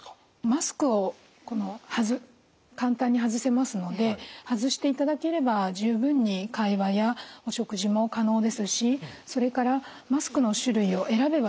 マスクを簡単に外せますので外していただければ十分に会話やお食事も可能ですしそれからマスクの種類を選べばですね